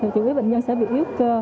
chủ yếu bệnh nhân sẽ bị yếu cơ